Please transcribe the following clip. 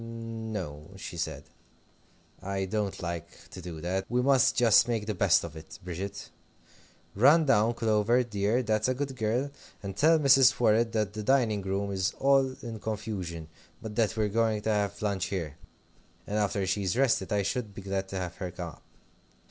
"N o," she said; "I don't like to do that. We must just make the best of it, Bridget. Run down, Clover, dear, that's a good girl! and tell Mrs. Worrett that the dining room is all in confusion, but that we're going to have lunch here, and, after she's rested, I should be glad to have her come up.